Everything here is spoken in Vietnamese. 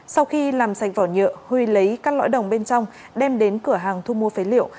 sau khi làm sạch vỏ nhựa huy lấy các lõi đồng bên trong đem đến cửa hàng thu mua phế liệu